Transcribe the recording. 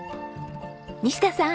西田さん。